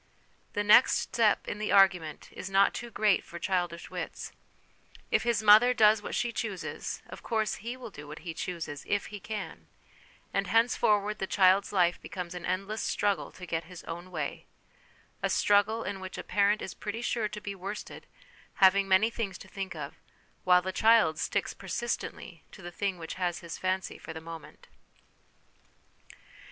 The next step in the argument is not too great for childish wits : if his mother does what she chooses, of course he will do what he chooses, if he can ; and henceforward the child's life becomes an endless struggle to get his own way ; a struggle in which a parent is pretty sure to be worsted, having many things to think of, while the child sticks persistently to the thing which has his fancy for the moment.